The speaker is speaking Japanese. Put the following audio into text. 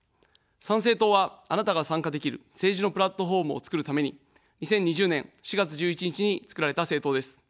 参政党は、あなたが参加できる政治のプラットフォームをつくるために２０２０年４月１１日に作られた政党です。